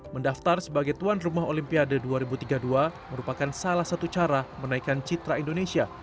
mendaftar sebagai tuan rumah olimpiade dua ribu tiga puluh dua merupakan salah satu cara menaikkan citra indonesia